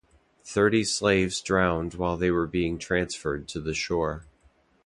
Thirty slaves drowned while they were being transferred to the shore.